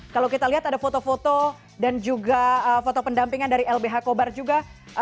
kalau kita lihat ada foto foto dan juga foto pendampingan dari lbh kobar juga